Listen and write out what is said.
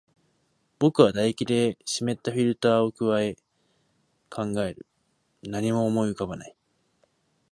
僕は唾液で湿ったフィルターを咥え、考える。何も思い浮かばない。